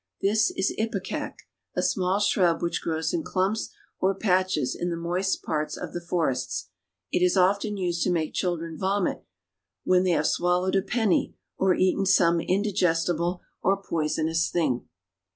This is ipecac, a small shrub which grows in clumps or patches in the moist parts of the for ests. It is often used to make children vomit when they have swallowed a penny or eaten some indigestible or poisonous thing.